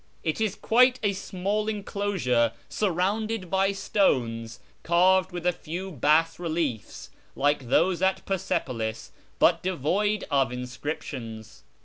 It is quite a small enclosure surrounded by stones, carved with a few bas reliel's like those at Persepolis, but devoid of inscriptions.